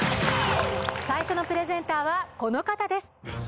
最初のプレゼンターはこの方です